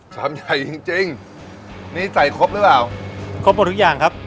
สำใหญ่จริงจริงนี่ใส่คบรึเปล่าคบกับทุกอย่างครับ